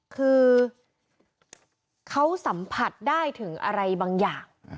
คือเขาสัมผัสได้ถึงอะไรบางอย่าง